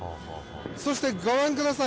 そして、ご覧ください。